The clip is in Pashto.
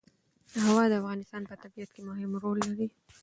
هوا د افغانستان په طبیعت کې مهم رول لري.